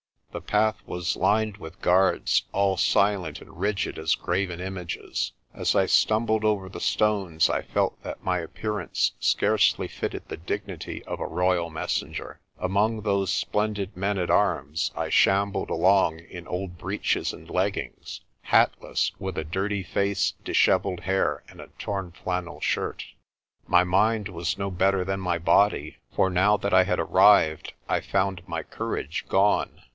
The path was lined with guards, all silent and rigid as graven images. As I stumbled over the stones I felt that my appearance scarcely fitted the dignity of a royal mes senger. Among those splendid men at arms I shambled along in old breeches and leggings, hatless, with a dirty face, dishevelled hair, and a torn flannel shirt. My mind was no better than my body, for now that I had arrived I found my courage gone.